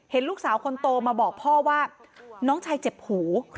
ลูกสาวคนโตมาบอกพ่อว่าน้องชายเจ็บหู